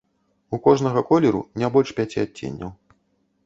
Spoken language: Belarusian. У кожнага колеру не больш пяці адценняў.